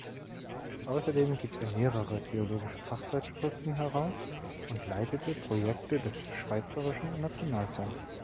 Ausserdem gibt er mehrere theologische Fachzeitschriften heraus und leitete Projekte des Schweizerischen Nationalfonds.